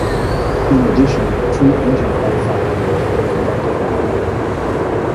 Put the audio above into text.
In addition, two engine hot firings were conducted on the ground.